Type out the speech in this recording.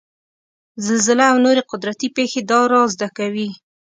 زلزله او نورې قدرتي پېښې دا رازد کوي.